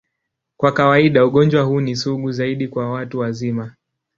Kwa kawaida, ugonjwa huu ni sugu zaidi kwa watu wazima.